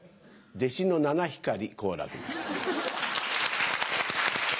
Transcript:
弟子の七光好楽です。